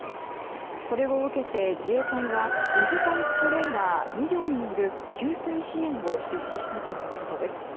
それを受けて自衛隊は水タンクトレーラー２両による給水支援を実施したということです。